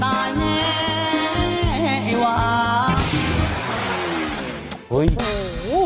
เขาคิดว่าการตายคือการพับข่อน